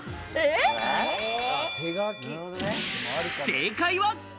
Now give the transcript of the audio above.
正解は。